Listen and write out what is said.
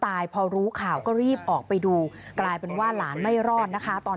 พอรู้ข่าวก็รีบออกไปดูกลายเป็นว่าหลานไม่รอดนะคะตอน